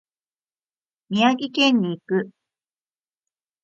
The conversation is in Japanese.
宮城県に行く。